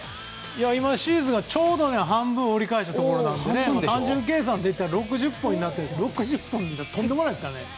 今、シーズンがちょうど半分を折り返したところなので単純計算で言ったら６０本になって、６０本ってとんでもないですからね。